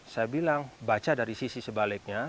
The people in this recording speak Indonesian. saya bilang baca dari sisi sebaliknya